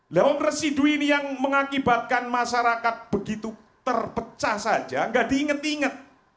lewat residu ini yang mengakibatkan masyarakat begitu terpecah saja nggak diinget inget